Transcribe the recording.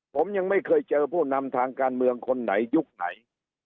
ผมยังไม่เคยเจอผู้นำทางการเมืองคนไหนยุคไหน